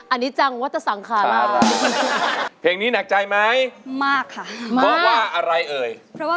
อันนี้จังว่าจะสั่งคารา